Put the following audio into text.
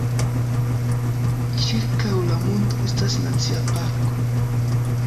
Ĉirkaŭ la monto estas nacia parko.